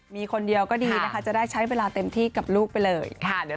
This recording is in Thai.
มีคนเดียวก็ดีนะคะจะได้ใช้เวลาเต็มที่กับลูกไปเลยค่ะ